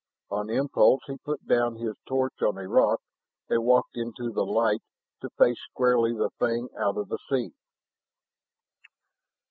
On impulse he put down his torch on a rock and walked into the light to face squarely the thing out of the sea.